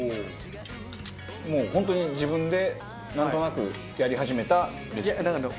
もう本当に自分でなんとなくやり始めたレシピなんですか？